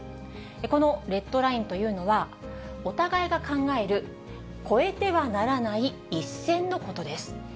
このレッドラインというのは、お互いが考える越えてはならない一線のことです。